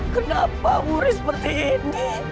kenapa wuri seperti ini